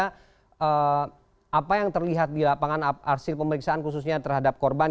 karena apa yang terlihat di lapangan arsir pemeriksaan khususnya terhadap korban